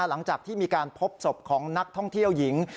หลังจากที่มีการพบศพของนักท่องเที่ยวหญิง